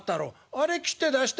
あれ切って出しておやり。